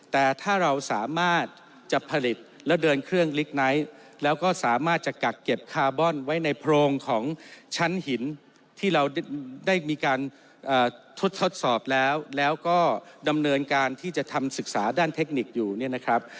แต่ถ้าเราสามารถจะผลิตแล้วเดินเครื่องลิกไนท์แล้วก็สามารถจะกักเก็บคาร์บอนไว้ในโพรงของชั้นหินที่เราได้มีการทดทดสอบแล้วแล้วก็ดำเนินการที่จะทำศึกษาด้านเทคนิคอยู่เนี่ยนะครับ